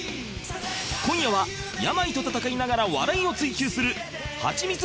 今夜は病と闘いながら笑いを追求するハチミツ